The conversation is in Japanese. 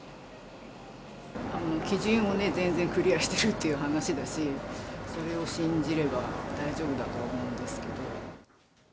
基準をね、全然クリアしてるって話だし、それを信じれば大丈夫だとは思うんですけど。